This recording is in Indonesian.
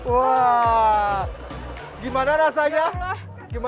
wah gimana rasanya